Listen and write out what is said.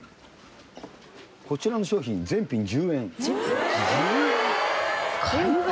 「こちらの商品全品１０円」１０円！？